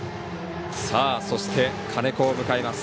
そして、金子を迎えます。